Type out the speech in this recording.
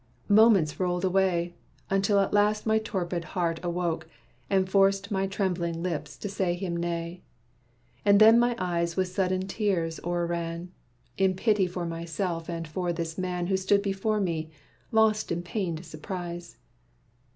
Moments rolled away Until at last my torpid heart awoke, And forced my trembling lips to say him nay. And then my eyes with sudden tears o'erran, In pity for myself and for this man Who stood before me, lost in pained surprise.